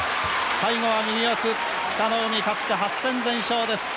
最後は右四つ北の湖、勝って８戦全勝です。